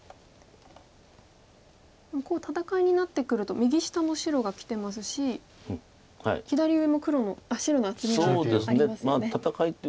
戦いになってくると右下も白がきてますし左上も白の厚みがありますよね。